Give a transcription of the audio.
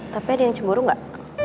tapi ada yang cemburu nggak